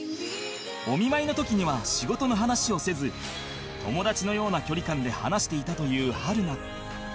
お見舞いの時には仕事の話をせず友達のような距離感で話していたという春菜